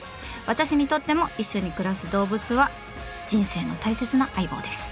私にとっても一緒に暮らす動物は人生の大切な相棒です。